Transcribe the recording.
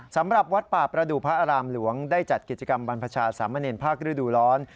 สำหรับวัดป่าประดูกพระอารามหลวงได้จัดกิจกรรมบรรพชาสามเณรภาคฤดูร้อน